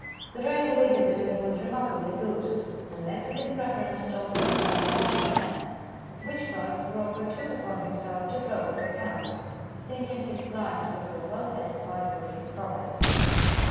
The railway dividend was remarkably good, and Mexican Preference Stock went up five per cent., at which price the broker took upon himself to close the account, thinking his client would be well satisfied with his profits.